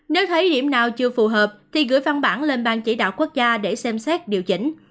nếu thấy điểm nào chưa phù hợp thì gửi văn bản lên bang chỉ đạo quốc gia để xem xét điều chỉnh